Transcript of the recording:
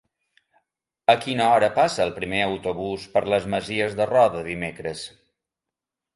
A quina hora passa el primer autobús per les Masies de Roda dimecres?